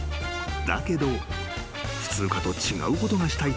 だけど普通科と違うことがしたいと思い